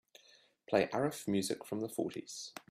Play Arif music from the fourties.